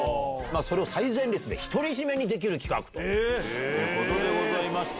それを最前列で独り占めにできる企画ということでございます。